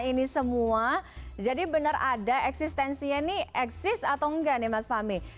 karena ini semua jadi benar ada eksistensinya ini eksis atau enggak nih mas fahmi